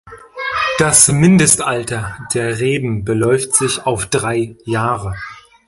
Das Mindestalter der Reben beläuft sich auf drei Jahre.